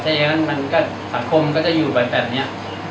ถ้าอย่างนั้นสังคมก็จะอยู่แบบนี้